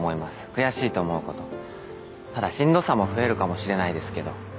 悔しいと思うことただしんどさも増えるかもしれないですけど